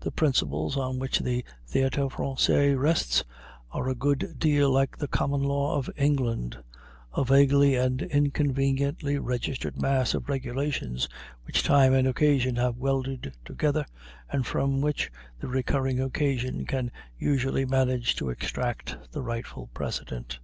The principles on which the Théâtre Français rests are a good deal like the Common Law of England a vaguely and inconveniently registered mass of regulations which time and occasion have welded together and from which the recurring occasion can usually manage to extract the rightful precedent.